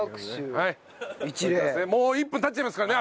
もう１分経っちゃいますからね